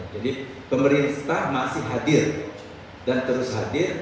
jadi pemerintah masih hadir dan terus hadir